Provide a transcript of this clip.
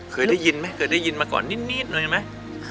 เคยได้ยินไหมเคยได้ยินมาก่อนนิดหน่อยไหม